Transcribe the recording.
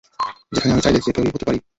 যেখানে, আমি চাইলে যে কেউই হতে পারি।